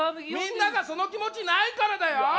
みんながその気持ちないからだよ！